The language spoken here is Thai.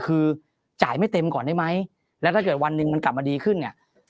คือจ่ายไม่เต็มก่อนได้ไหมแล้วถ้าเกิดวันหนึ่งมันกลับมาดีขึ้นเนี่ย